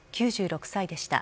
９６歳でした。